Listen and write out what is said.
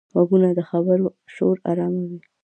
غوږونه د خبرو شور آراموي